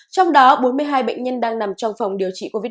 trong đó bốn mươi hai bệnh nhân đang nằm trong phòng điều trị covid